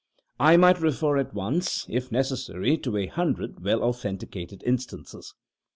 I might refer at once, if necessary to a hundred well authenticated instances.